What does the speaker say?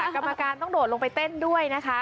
กรรมการต้องโดดลงไปเต้นด้วยนะคะ